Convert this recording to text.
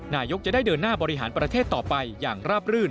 นายกจะได้เดินหน้าบริหารประเทศต่อไปอย่างราบรื่น